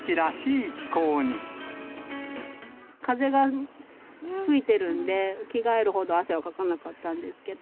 風が吹いてるんで、着替えるほど汗はかかなかったんですけど。